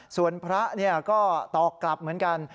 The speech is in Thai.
ส่วนพระก็ตอบกลับเหมือนกัน